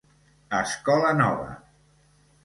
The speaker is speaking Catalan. Escola nova!